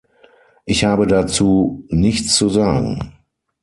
Ich habe dazu nichts zu sagen.